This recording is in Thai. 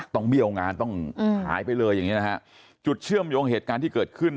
เบี้ยวงานต้องหายไปเลยอย่างเงี้นะฮะจุดเชื่อมโยงเหตุการณ์ที่เกิดขึ้น